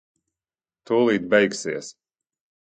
Tūlīt beigsies.